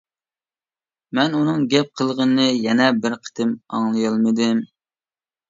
مەن ئۇنىڭ گەپ قىلغىنىنى يەنە بىر قېتىم ئاڭلىيالمىدىم.